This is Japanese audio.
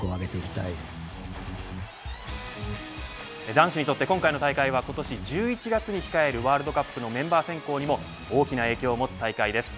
男子にとって今回の大会は今年１１月に控えるワールドカップのメンバー選考にも大きな影響を持つ大会です。